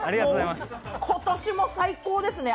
今年も最高ですね！